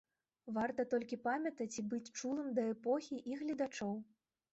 Варта толькі памятаць і быць чулым да эпохі і гледачоў.